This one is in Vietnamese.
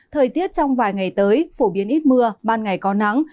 thời tiết trong vài ngày tới phổ biến ít mưa ban ngày có nắng